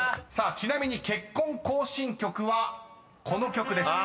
［ちなみに『結婚行進曲』はこの曲です］